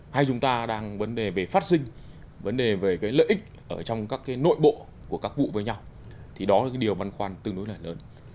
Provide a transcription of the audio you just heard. hay chúng ta đang vấn đề về phát sinh vấn đề về cái lợi ích ở trong các cái nội bộ của các vụ với nhau thì đó là cái điều băn khoăn tương đối là lớn